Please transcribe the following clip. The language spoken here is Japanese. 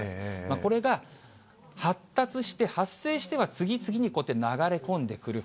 これが発達して、発生しては次々に、こうやって流れ込んでくる。